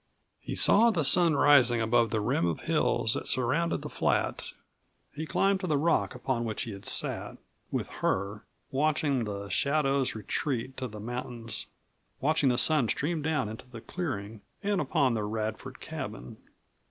He saw the sun rising above the rim of hills that surrounded the flat; he climbed to the rock upon which he had sat with her watching the shadows retreat to the mountains, watching the sun stream down into the clearing and upon the Radford cabin.